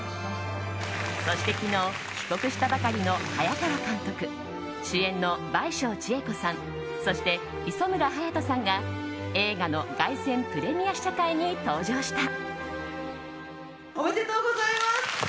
そして昨日帰国したばかりの早川監督主演の倍賞千恵子さんそして磯村勇斗さんが映画の凱旋プレミア試写会に登場した。